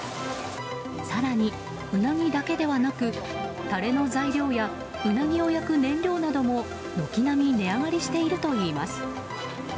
更に、ウナギだけではなくたれの材料やウナギを焼く燃料なども軒並み値上がりしているといいます。